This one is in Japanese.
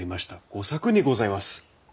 吾作にございます！